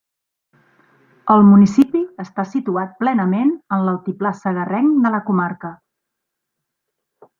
El municipi està situat plenament en l'altiplà segarrenc de la comarca.